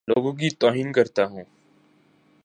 لوگوں کی توہین کرتا ہوں